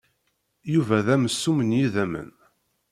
Yuba d amsumm n yidammen.